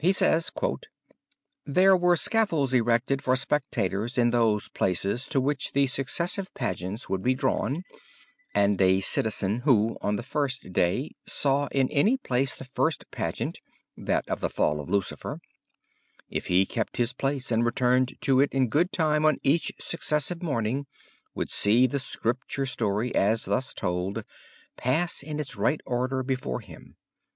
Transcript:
He says: "There were scaffolds erected for spectators in those places to which the successive pageants would be drawn; and a citizen who on the first day saw in any place the first pageant (that of the Fall of Lucifer), if he kept his place and returned to it in good time on each successive morning, would see the Scripture story, as thus told, pass in its right order before him.